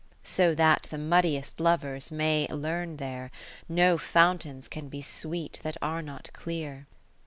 So that the muddiest lovers may learn here. No Fountains can be sweet that are not clear.